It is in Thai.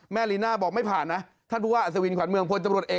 แม่ลีน่าบอกไม่ผ่านนะ